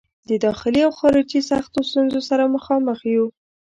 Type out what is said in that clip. د داخلي او خارجي سختو ستونزو سره مخامخ وو.